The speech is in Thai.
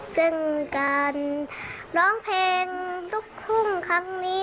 ซึ่งการร้องเพลงลูกทุ่งครั้งนี้